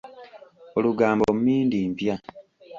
Olugambo mmindi mpya.